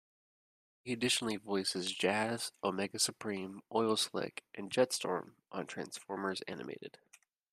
He additionally voices Jazz, Omega Supreme, Oil Slick, and Jetstorm on "Transformers Animated".